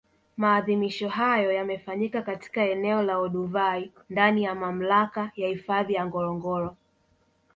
Maadhimisho hayo yamefanyika katika eneo la Olduvai ndani ya Mamlaka ya Hifadhi ya Ngorongoro